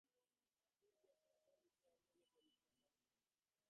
He said that the album reasserts Amy Lee's position at Evanescence's center.